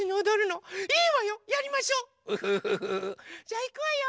じゃあいくわよ！